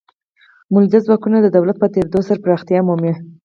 مؤلده ځواکونه د وخت په تیریدو سره پراختیا مومي.